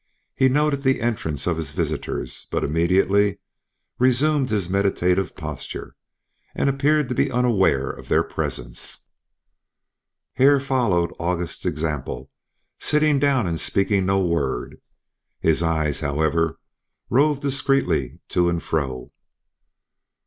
He noted the entrance of his visitors, but immediately resumed his meditative posture, and appeared to be unaware of their presence. Hare followed August's example, sitting down and speaking no word. His eyes, however, roved discreetly to and fro.